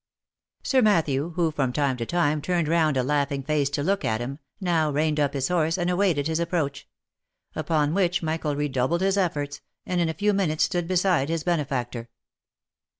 Sir Matthew, who from time to time turned round a laughing face to look at him, now reined up his horse and awaited his ap proach ; upon which Michael redoubled his efforts, and in a few minutes stood beside his benefactor.